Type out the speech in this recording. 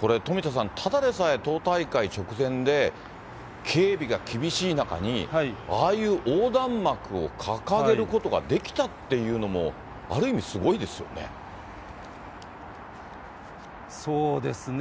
これ、富田さん、ただでさえ、党大会直前で、警備が厳しい中に、ああいう横断幕を掲げることができたっていうのも、ある意味、すそうですね。